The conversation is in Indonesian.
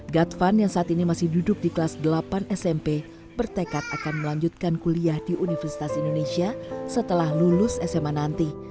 gadvan yang saat ini masih duduk di kelas delapan smp bertekad akan melanjutkan kuliah di universitas indonesia setelah lulus sma nanti